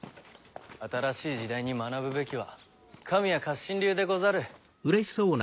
新しい時代に学ぶべきは神谷活心流でござる。